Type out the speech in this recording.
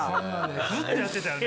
ずっとやってたよね。